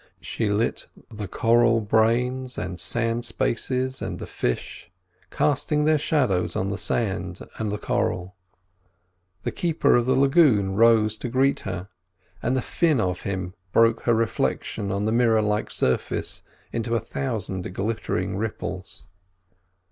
She lit the coral brains and sand spaces, and the fish, casting their shadows on the sand and the coral. The keeper of the lagoon rose to greet her, and the fin of him broke her reflection on the mirror like surface into a thousand glittering ripples.